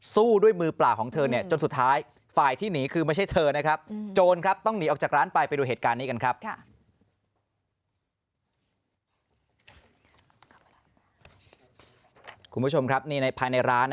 สู้ด้วยมือปลาของเธอนี่จนสุดท้าย